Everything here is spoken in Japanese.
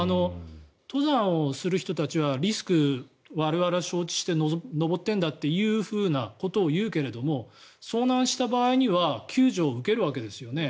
登山をする人たちはリスク、我々は承知して登っているんだっていうふうなことを言うけれど遭難した場合には救助を受けるわけですよね。